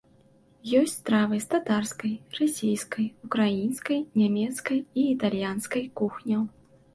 Ёсць стравы з татарскай, расійскай, украінскай, нямецкай і італьянскай кухняў.